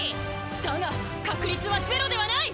だが確率はゼロではない！